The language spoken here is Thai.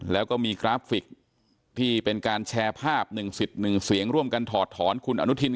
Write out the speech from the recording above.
แล้วก็มีกราฟิกที่เป็นการแชร์ภาพ๑สิทธิ์๑เสียงร่วมกันถอดถอนคุณอนุทิน